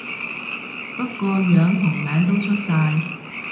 不過樣同名都出晒